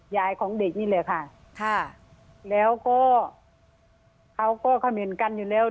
ยายของเด็กนี่แหละค่ะแล้วก็เขาก็คำเห็นกันอยู่แล้ว